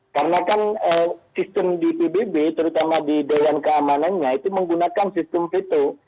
karena kan sistem di pbb terutama di dewan keamanannya itu menggunakan sistem veto